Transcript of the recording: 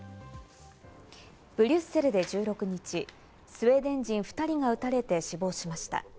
ブリュッセルで１６日、スウェーデン人、２人が撃たれて死亡しました。